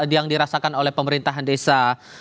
yang dirasakan oleh pemerintahan desa